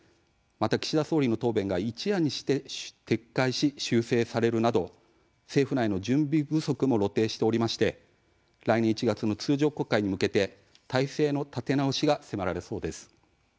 また岸田総理の答弁が一夜にして撤回し修正されるなど政府内の準備不足も露呈しておりまして来年１月の通常国会に向けて態勢の立て直しが迫られそうです。